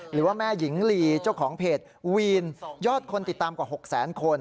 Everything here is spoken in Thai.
หรือว่าแม่หญิงลีเจ้าของเพจวีนยอดคนติดตามกว่า๖แสนคน